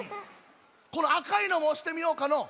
このあかいのもおしてみようかのう。